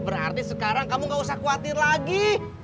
berarti sekarang kamu gak usah khawatir lagi